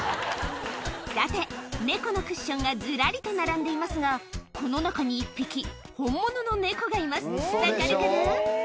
さて猫のクッションがずらりと並んでいますがこの中に１匹本物の猫がいます分かるかな？